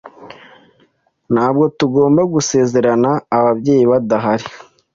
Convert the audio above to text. Ntabwo tugomba gusezerana ababyeyi badahari